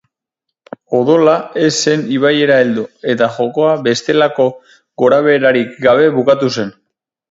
Odola ez zen ibaira heldu eta jokoa bestelako gorabeherarik gabe bukatu zen.